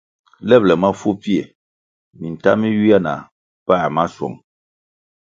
Lebʼle mafu pfie, minta mi ywia na pa maschwong.